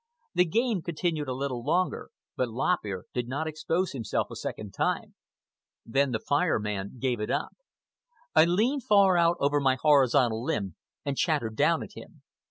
The game continued a little longer, but Lop Ear did not expose himself a second time. Then the Fire Man gave it up. I leaned far out over my horizontal limb and chattered down at him.